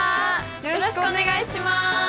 よろしくお願いします！